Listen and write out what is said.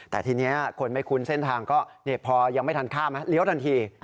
แต่ทีนี้คนไม่คุ้นเส้นทางก็พอยังไม่ทันข้ามเลี้ยวทันที